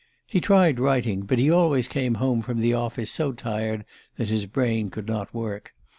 He tried writing, but he always came home from the office so tired that his brain could not work.